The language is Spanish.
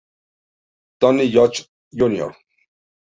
Tony George Jr.